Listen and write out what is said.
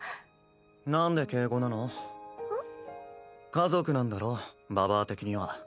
家族なんだろババア的には。